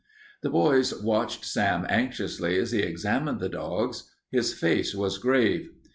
The boys watched Sam anxiously as he examined the dogs. His face was grave.